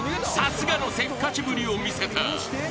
さすがのせっかちぶりを見せた］